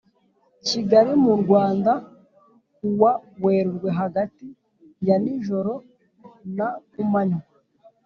Kigali mu rwanda ku wa werurwe hagati yanijoro na kumanywa